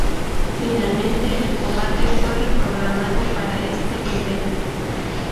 Finalmente, el combate fue reprogramado para este evento.